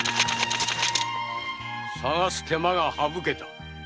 捜す手間が省けたわ。